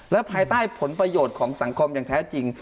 และภายใต้ผลประโยชน์ของสังคมอย่างแท้จริง